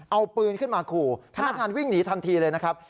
เอาปืนขึ้นมาขู่พนักงานวิ่งหนีทันทีเลยนะครับ